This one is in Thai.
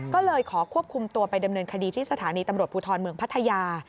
ก็เลยขอควบคุมตัวไปดำเนินคดีที่สถานีตำรวจภูทรเมืองพัทยา